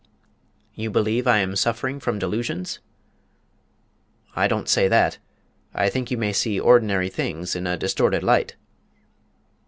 "You believe I am suffering from delusions?" "I don't say that. I think you may see ordinary things in a distorted light."